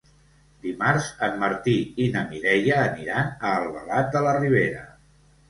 Dimarts en Martí i na Mireia aniran a Albalat de la Ribera.